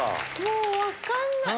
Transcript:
もう分かんない。